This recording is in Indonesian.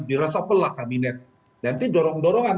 direshuffle lah kabinet nanti dorong dorongan